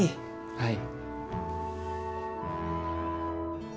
はい。